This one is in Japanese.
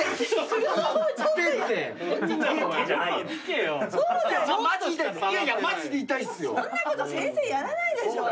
そんなこと先生やらないでしょ。